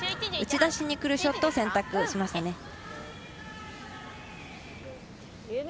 打ち出しにくるショットを選択しましたね。